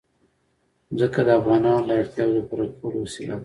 ځمکه د افغانانو د اړتیاوو د پوره کولو وسیله ده.